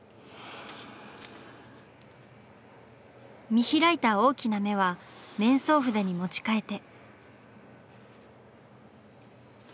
見開いた大きな目は面相筆に持ち替えて。